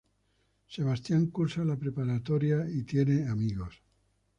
Sebastián cursa la preparatoria y tiene amigos.